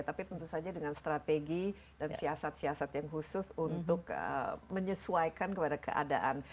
tapi tentu saja dengan strategi dan siasat siasat yang khusus untuk menyesuaikan kepada keadaan